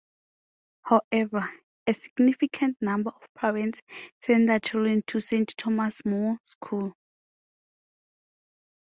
However, a significant number of parents send their children to Saint Thomas More School.